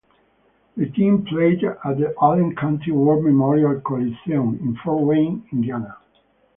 The team played at the Allen County War Memorial Coliseum in Fort Wayne, Indiana.